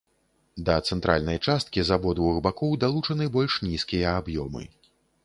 Да цэнтральнай часткі з абодвух бакоў далучаны больш нізкія аб'ёмы.